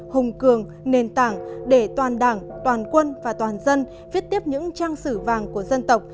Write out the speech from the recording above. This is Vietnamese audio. hùng cường nền tảng để toàn đảng toàn quân và toàn dân viết tiếp những trang sử vàng của dân tộc